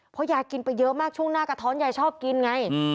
เพราะยายกินไปเยอะมากช่วงหน้ากระท้อนยายชอบกินไง